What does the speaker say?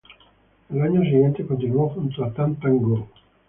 En los años siguientes continuó junto a "Tam Tam Go!